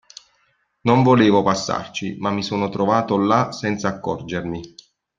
Non volevo passarci, ma mi sono trovato là senza accorgermi.